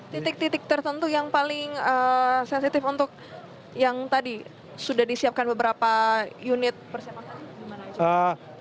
titik titik tertentu yang paling sensitif untuk yang tadi sudah disiapkan beberapa unit persiapan gimana aja